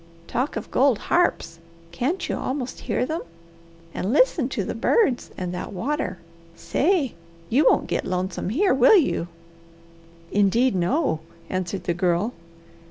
Talk of gold harps! Can't you almost hear them? And listen to the birds and that water! Say, you won't get lonesome here, will you?" "Indeed no!" answered the Girl.